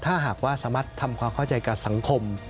ถ้าหากว่าสามารถทำความเข้าใจกับสังคม